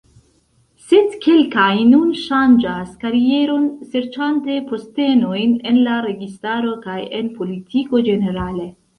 Sed kelkaj nun ŝanĝas karieron serĉante postenojn en la registaro kaj en politiko ĝenerale.